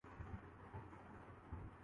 اسک معانی پر اور مفہوم پر کبھی غورک بھی نہیں